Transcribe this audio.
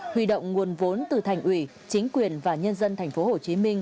huy động nguồn vốn từ thành ủy chính quyền và nhân dân tp hcm